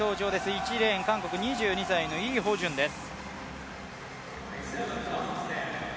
１レーン、韓国２２歳のイ・ホジュンです。